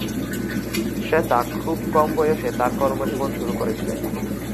শ্বেতা খুব কম বয়সে তার কর্মজীবন শুরু করেছিলেন।